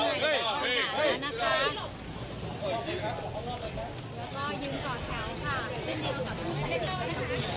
แล้วก็ยืนก่อนเขาค่ะเป็นเดียวกับผู้ประจำนะคะ